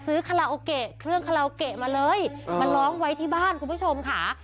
คาราโอเกะเครื่องคาราโอเกะมาเลยมาร้องไว้ที่บ้านคุณผู้ชมค่ะ